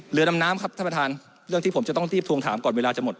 เรือดำน้ำครับท่านประธานเรื่องที่ผมจะต้องรีบทวงถามก่อนเวลาจะหมด